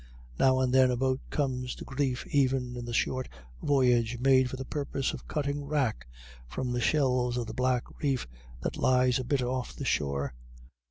Now and then a boat comes to grief even on the short voyage made for the purpose of cutting wrack from the shelves of the black reef that lies a bit off the shore.